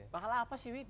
bahal apa sih win